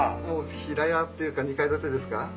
もう平屋っていうか２階建てですか。